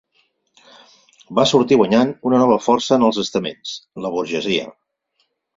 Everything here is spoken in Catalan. Va sortir guanyant una nova força en els estaments: la burgesia.